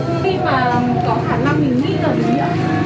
khi mà có khả năng mình nghi ngờ bình yên